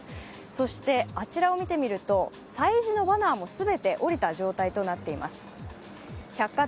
そしてあちらを見てみると催事のバナーも全て降りられたことになっています。